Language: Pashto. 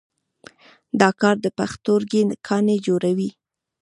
دا کار د پښتورګي کاڼي جوړوي.